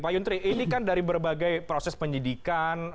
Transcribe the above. pak yuntri ini kan dari berbagai proses penyidikan